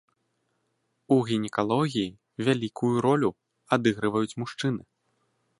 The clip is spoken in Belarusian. У гінекалогіі вялікую ролю адыгрываюць мужчыны.